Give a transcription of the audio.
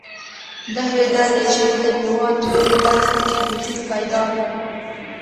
دغې ډلې ژر د هېواد لویو برخو کې حضور پیدا کړ.